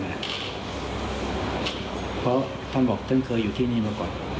เพราะท่านบอกท่านเคยอยู่ที่นี่มาก่อน